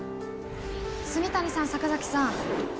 住谷さん坂崎さん